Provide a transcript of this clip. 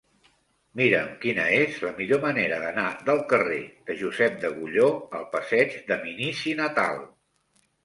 Mira'm quina és la millor manera d'anar del carrer de Josep d'Agulló al passeig de Minici Natal.